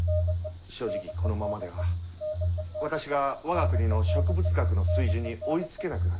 正直このままでは私が我が国の植物学の水準に追いつけなくなる。